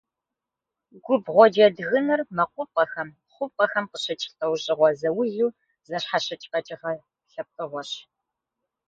Губгъуэ джэдгынр мэкъупӏэхэм, хъупӏэхэм къыщыкӏ, лӏэужьыгъуэ заулу зэщхьэщыкӏ къэкӏыгъэ лъэпкъыгъуэщ.